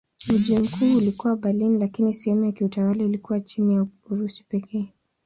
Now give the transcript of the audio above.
Mji mkuu ulikuwa Berlin lakini sehemu ya kiutawala iliyokuwa chini ya Urusi pekee.